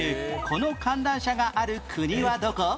この観覧車がある国はどこ？